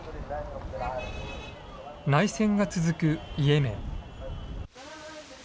内戦が続くイエメン。